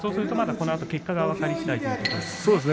このあと結果が分かりしだいということですね。